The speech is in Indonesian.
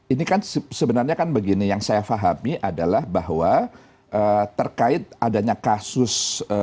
ini kan sebenarnya kan begini yang saya pahami adalah bahwa terkait adanya kasus